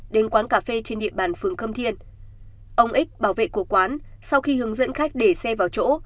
đến quán cà phê trên địa bàn phường khâm thiên ông ích bảo vệ của quán sau khi hướng dẫn khách để xe vào chỗ